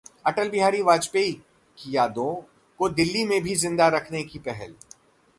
अटल बिहारी वाजपेयी की यादों को दिल्ली में भी जिंदा रखने की पहल